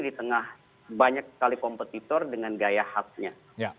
di tengah banyak sekali kompetitor dengan gaya khasnya